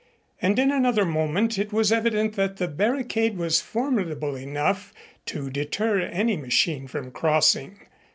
And in another moment it was evident that the barricade was formidable enough to deter any machine from crossing.